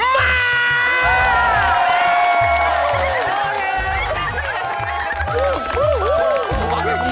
pembuangnya pembuang rengan